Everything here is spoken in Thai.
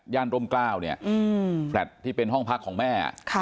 ย่านโรมเกล้าอืมแฟลต์ที่เป็นห้องพักของแม่ค่ะ